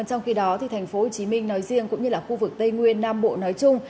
trong khi đó thì thành phố hồ chí minh nói riêng cũng như là khu vực tây nguyên nam bộ nói chung